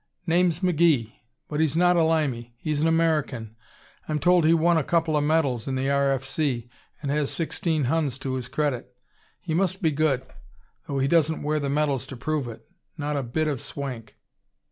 "Name's McGee. But he's not a Limey; he's an American. I'm told he won a coupla medals in the R.F.C., and has sixteen Huns to his credit. He must be good though he doesn't wear the medals to prove it. Not a bit of swank."